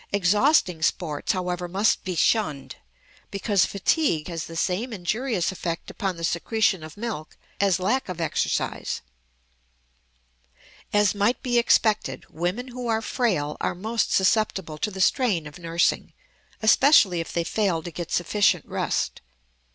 Exhausting sports, however, must be shunned, because fatigue has the same injurious effect upon the secretion of milk as lack of exercise. As might be expected, women who are frail are most susceptible to the strain of nursing, especially if they fail to get sufficient rest.